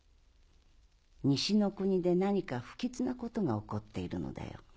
西の国で何か不吉なことが起こっているのだよ。